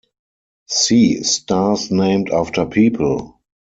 See stars named after people.